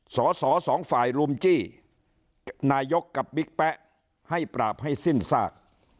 สอสอสองฝ่ายรุมจี้นายกกับบิ๊กแป๊ะให้ปราบให้สิ้นซาก